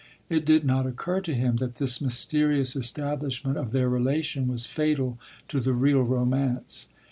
It did not occur to him that this mysterious establishment of their relation was fatal to the real romance.